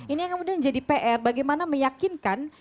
ini yang kemudian jadi pr bagaimana meyakinkan